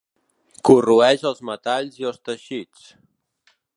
Corroeix els metalls i els teixits.